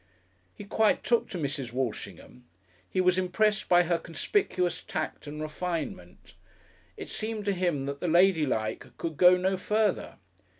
He quite took to Mrs. Walshingham. He was impressed by her conspicuous tact and refinement; it seemed to him that the ladylike could go no further.